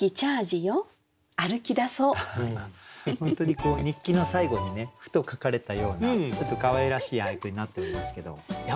本当にこう日記の最後にふと書かれたようなちょっとかわいらしい俳句になってるんですけど。